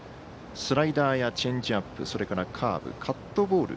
スライダーやチェンジアップそれからカーブ、カットボール